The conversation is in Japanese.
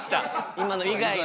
今の以外で。